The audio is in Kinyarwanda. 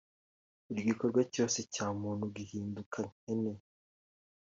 buri gikorwa cyose cya muntu gihinduka nkene